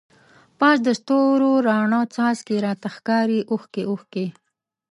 پاس دستورو راڼه څاڅکی، راته ښکاری اوښکی اوښکی